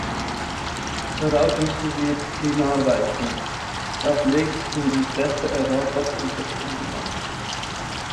Darauf müssen wir hinarbeiten, das liegt im Interesse Europas und des Binnenmarkts.